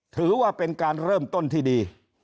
ถือว่าเป็นการเริ่มต้นที่ดี